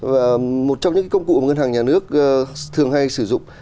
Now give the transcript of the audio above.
và một trong những công cụ mà ngân hàng nhà nước thường hay sử dụng